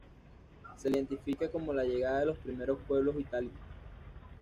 Se la identifica con la llegada de los primeros pueblos itálicos.